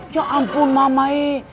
ya ampun mama e